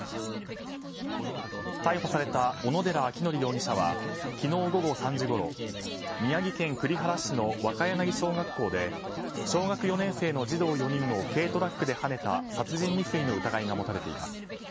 逮捕された小野寺章仁容疑者は昨日午後３時ごろ宮城県栗原市の若柳小学校で小学４年生の児童４人を軽トラックではねた殺人未遂の疑いが持たれています。